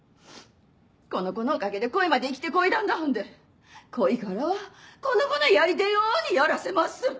この子のおかげでこいまで生きてこいだんだはんでこいがらはこの子のやりてぇようにやらせます！